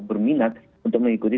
berminat untuk mengikuti